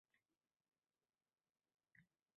Qaynonasi boyagi ayolmi